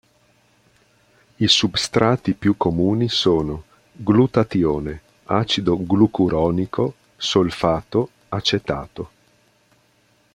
I substrati più comuni sono: glutatione, acido glucuronico, solfato, acetato.